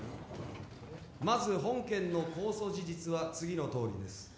まず本件の公訴事実は次のとおりです